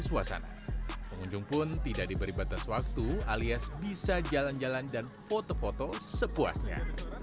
pengunjung pun tidak diberi batas waktu alias bisa jalan jalan dan foto foto sepuasnya